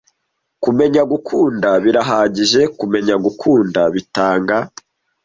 kumenya gukunda birahagije kumenya gukunda bitanga